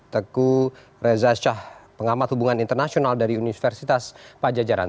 teku reza shah pengamat hubungan internasional dari universitas pajajaran